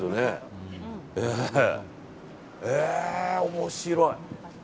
面白い。